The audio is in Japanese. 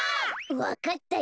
わかったよ。